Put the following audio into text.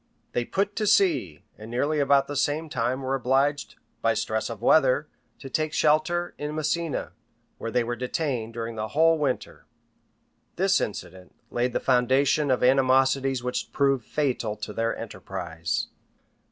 They put to sea; and nearly about the same time were obliged, by stress of weather, to take shelter in Messina, where they were detained during the whole winter. This incident laid the foundation of animosities which proved fatal to their enterprise.